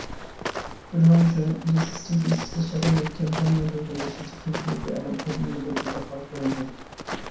উদাহরণস্বরূপ, যে সিস্টেমটি স্পেস শাটল নিক্ষেপ যান নিয়ন্ত্রণ করে সেটি খুব দ্রুত এবং খুব নির্ভরযোগ্য হওয়ার প্রয়োজন।